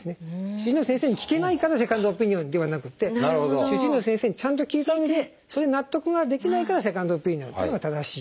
主治医の先生に聞けないからセカンドオピニオンではなくて主治医の先生にちゃんと聞いたうえでそれで納得ができないからセカンドオピニオンっていうのが正しい。